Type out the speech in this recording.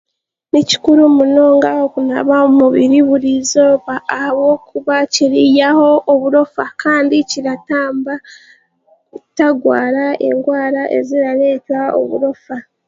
Ni kikuru munonga okunaaba omubiri burizooba ahabwokuba kiriiyaho oburofa kandi kiratamba obutagwara endwara ezirareetwa oburofa.